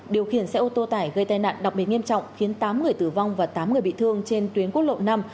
điều khiển xe ô tô tải gây tai nạn đặc biệt nghiêm trọng khiến tám người tử vong và tám người bị thương trên tuyến quốc lộ năm